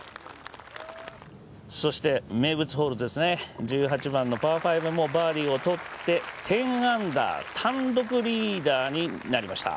そして名物ホールですね、１８番のパー５もバーディーをとって１０アンダー、単独リーダーになりました。